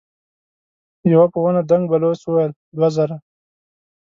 يوه په ونه دنګ بلوڅ وويل: دوه زره.